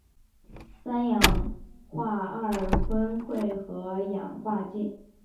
三氧化二砷会和氧化剂。